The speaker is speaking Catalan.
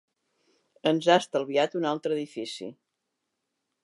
Ens ha estalviat un altre edifici.